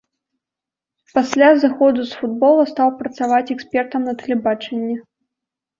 Пасля зыходу з футбола стаў працаваць экспертам на тэлебачанні.